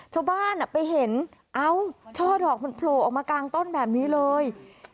ชาวบ้านไปเห็นเอ้าช่อดอกมันโผล่ออกมากลางต้นแบบนี้เลย